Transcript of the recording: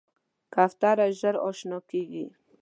کوتره ژر اشنا کېږي.